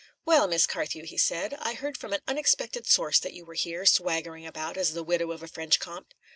"Well, Miss Carthew," he said, "I heard from an unexpected source that you were here, swaggering about as the widow of a French Comte.